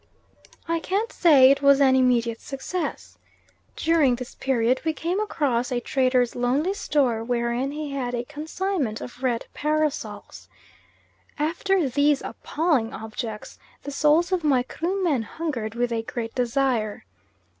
I can't say it was an immediate success. During this period we came across a trader's lonely store wherein he had a consignment of red parasols. After these appalling objects the souls of my Krumen hungered with a great desire.